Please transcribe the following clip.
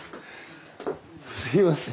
すいません